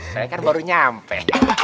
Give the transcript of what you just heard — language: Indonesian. saya kan baru nyampe